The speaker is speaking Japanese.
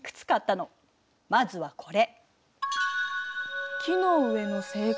まずはこれ。